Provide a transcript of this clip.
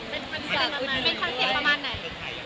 เป็นคอนเซ็ปต์ประมาณไหน